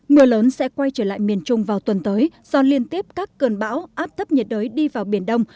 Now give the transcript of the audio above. mưa lớn sẽ quay trở lại miền trung vào tuần tới do liên tiếp các cơn bão áp thấp nhiệt đới đi vào biển đông